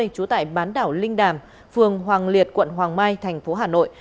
trú tại bán đảo linh đàm phường hoàng liệt quận hoàng mai tp hà nội